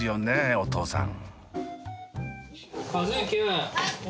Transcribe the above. お父さん。